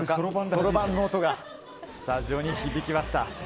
そろばんの音がスタジオに響きました。